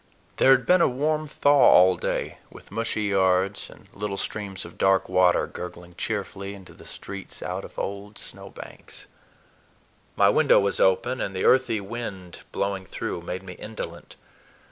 There had been a warm thaw all day, with mushy yards and little streams of dark water gurgling cheerfully into the streets out of old snow banks. My window was open, and the earthy wind blowing through made me indolent.